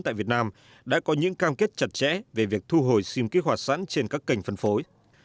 tại việt nam đã có những cam kết chặt chẽ về việc thu hồi sim kích hoạt sẵn trên các kênh phân phối